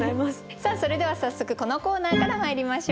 さあそれでは早速このコーナーからまいりましょう。